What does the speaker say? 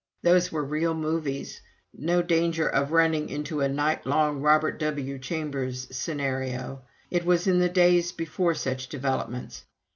Those were real movies no danger of running into a night long Robert W. Chambers scenario. It was in the days before such developments.